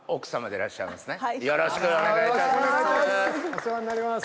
お世話になります。